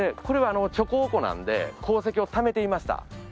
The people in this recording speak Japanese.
これは貯鉱庫なんで鉱石をためていました。